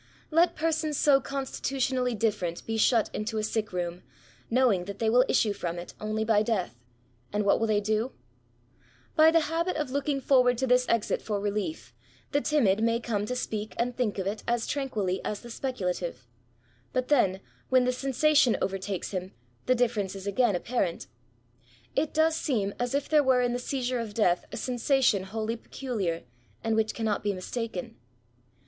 Let persons so constitutionally different be shut into a sick room, knowing that they will issue from it only by desAk, and what will they do ? By the habit of looking forward to this exit for relief, the timid may come to speak and think of it as tran quilly as the speculative; but then, when the sensation overtakes him, the difference is again apparent. It does seem as if there were in the seizure of death a sensation wholly peculiar, and which cannot be mistaken.